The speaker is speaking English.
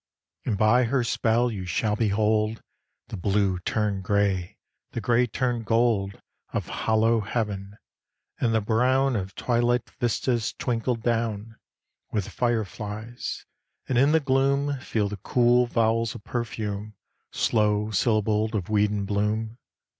And by her spell you shall behold The blue turn gray, the gray turn gold Of hollow heaven; and the brown Of twilight vistas twinkled down With fire flies; and, in the gloom, Feel the cool vowels of perfume Slow syllabled of weed and bloom.